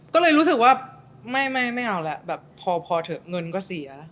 ก็เลยรู้สึกว่าไม่ไม่เอาละพอเถอะเงินก็เสีย